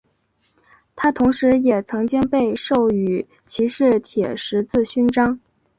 他同时也曾经被授予骑士铁十字勋章。